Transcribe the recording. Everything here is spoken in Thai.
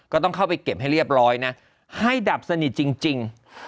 ก็ต้องเข้าไปเก็บให้เรียบร้อยนะให้ดับสนิทจริง